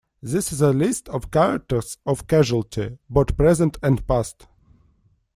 This is a list of characters of "Casualty", both present and past.